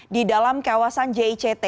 di dalam kawasan jict